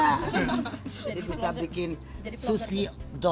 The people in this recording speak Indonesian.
jadi bisa bikin susi com